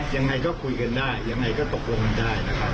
ยังไงก็คุยกันได้ยังไงก็ตกลงกันได้นะครับ